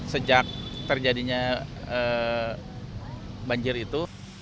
sejak terjadinya banjir itu